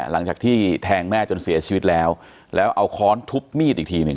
หลังจากที่แทงแม่จนเสียชีวิตแล้วแล้วเอาค้อนทุบมีดอีกทีหนึ่ง